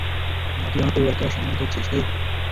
না, তুই আমার পরিবারকে অসম্মান করছিস হেই!